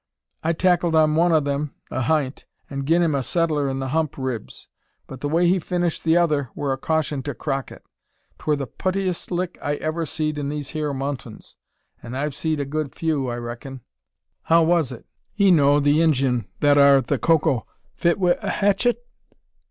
I tackled on to one o' them ahint, an' gin him a settler in the hump ribs; but the way he finished the other wur a caution to Crockett. 'Twur the puttiest lick I ever seed in these hyur mountains, an' I've seed a good few, I reckin." "How was it?" "'Ee know, the Injun that are, the Coco fit wi' a hatchet?"